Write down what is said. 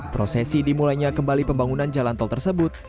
prosesi dimulainya kembali pembangunan jalan tol tersebut